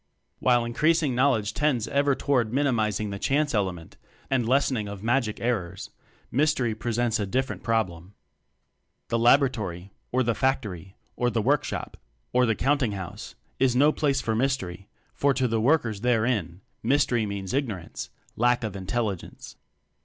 While increasing knowledge tends ever toward minimizing the "chance" element and lessening of "magic" errors, mystery presents a different problem. The laboratory, or the factory, or the workshop, or the countinghouse, is no place for "mystery," for to the workers therein mystery means ignorance lack of intelligence.